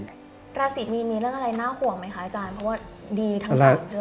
ราศีมีนมีเรื่องอะไรน่าห่วงไหมคะอาจารย์